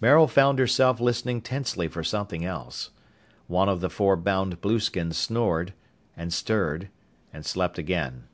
Maril found herself listening tensely for something else. One of the four bound blueskins snored, and stirred, and slept again.